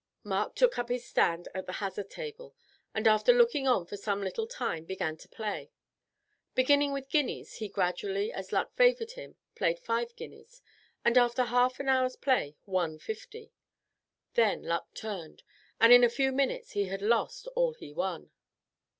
Mark took up his stand at the hazard table, and after looking on for some little time began to play. Beginning with guineas, he gradually, as luck favored him, played five guineas, and after half an hour's play won fifty. Then luck turned, and in a few minutes he had lost all he won.